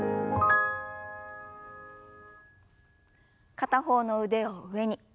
片方の腕を上に。